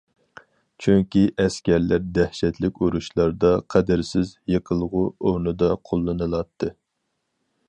چۈنكى ئەسكەرلەر دەھشەتلىك ئۇرۇشلاردا قەدىرسىز يېقىلغۇ ئورنىدا قوللىنىلاتتى.